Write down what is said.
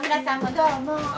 どうも。